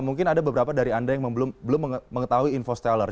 mungkin ada beberapa dari anda yang belum mengetahui infosteller